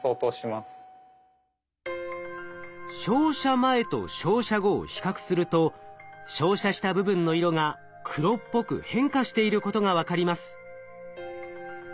照射前と照射後を比較すると照射した部分の色が黒っぽく変化していることが分かります。